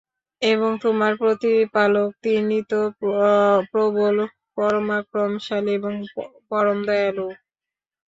এবং তোমার প্রতিপালক, তিনি তো প্রবল পরাক্রমশালী এবং পরম দয়ালুও।